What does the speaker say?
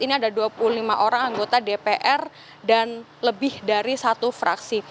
ini ada dua puluh lima orang anggota dpr dan lebih dari satu fraksi